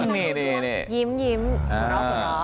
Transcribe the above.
นี่ยิ้มหัวเราะ